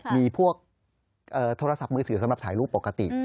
มีพวกโทรศัพท์มือถือสำหรับถ่ายรูปปกติ